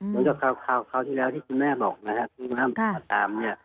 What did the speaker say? โดยเท่าที่แล้วที่คุณแม่บอกนะครับคุณพ่อมาตามเนี่ย